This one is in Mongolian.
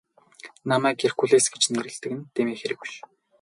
Намайг Геркулес гэж нэрлэдэг нь дэмий хэрэг биш.